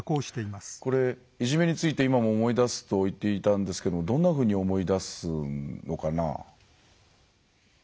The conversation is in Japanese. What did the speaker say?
いじめについて今も思い出すと言っていたんですけれどもどんなふうに思い出すのかな。